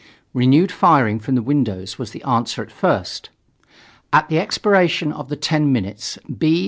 Renewed firing from the windows was the answer at first. At the expiration of the ten minutes, B.